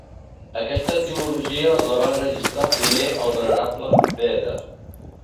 Aquesta etimologia la va enregistrar primer el Venerable Bede.